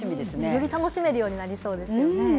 より楽しめるようになりそうですね。